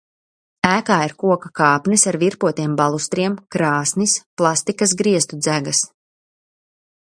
Ēkā ir koka kāpnes ar virpotiem balustriem, krāsnis, plastiskas griestu dzegas.